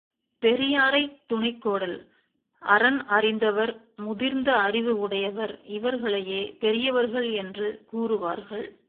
பெரியாரைத் துணைக்கோடல் அறன் அறிந்தவர், முதிர்ந்த அறிவு உடையவர் இவர்களையே பெரியவர்கள் என்று கூறுவார்கள்.